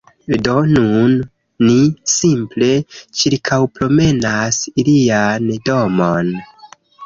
Do nun ni simple ĉirkaŭpromenas ilian domon.